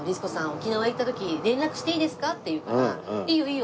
沖縄行った時連絡していいですか？」って言うから「いいよいいよ。